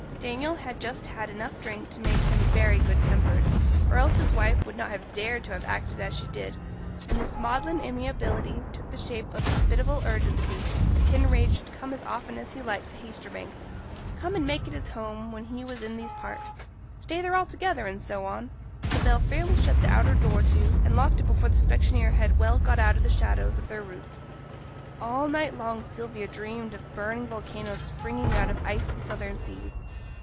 Daniel had just had enough drink to make him very good tempered, or else his wife would not have dared to have acted as she did; and this maudlin amiability took the shape of hospitable urgency that Kinraid should come as often as he liked to Haytersbank; come and make it his home when he was in these parts; stay there altogether, and so on, till Bell fairly shut the outer door to, and locked it before the specksioneer had well got out of the shadow of their roof. All night long Sylvia dreamed of burning volcanoes springing out of icy southern seas.